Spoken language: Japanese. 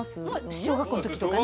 小学校の時とかね。